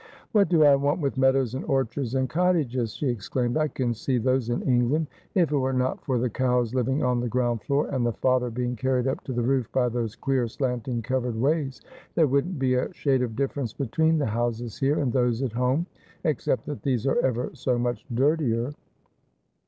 ' What do I want with meadows, and orchards, and cot tages?' she exclaimed 'I can see those in Eugland. If it were not for the cows living on the ground floor, and the fodder being carried up to the roof by those queer slanting covered ways, there wouldn't be a shade of difference between the houses here and those at home, except that these are ever so much dirtier.'